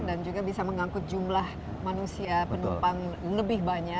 dan juga bisa mengangkut jumlah manusia pendumpang lebih banyak